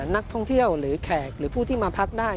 นักท่องเที่ยวหรือแขกหรือผู้ที่มาพักได้